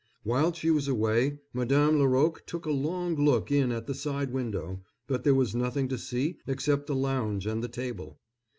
While she was away Madame Laroque took a long look in at the side window, but there was nothing to see except the lounge and the table.